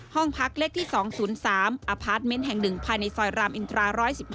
ห้องพักเลขที่๒๐๓อพาร์ทเมนต์แห่ง๑ภายในซอยรามอินทรา๑๑๕